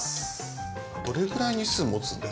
どれくらい日数持つんですか？